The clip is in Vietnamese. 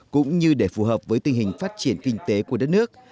cũng như để phù hợp với tình hình phát triển kinh tế của đất nước